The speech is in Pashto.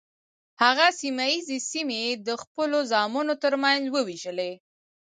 هغه سیمه ییزې سیمې یې د خپلو زامنو تر منځ وویشلې.